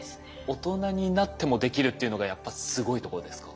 大人になってもできるっていうのがやっぱすごいとこですか？